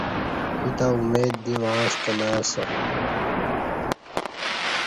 کوتہ امید دی وعݩتہ نہ اسہ